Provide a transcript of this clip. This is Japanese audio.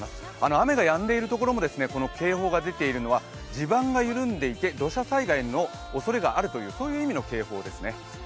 雨がやんでいるところも警報が出ているのは地盤が緩んでいて土砂災害のおそれがあるという、そういう意味の警報ですね。